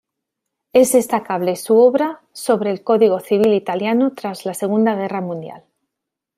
Es destacable su obra sobre el código civil italiano tras la Segunda Guerra Mundial.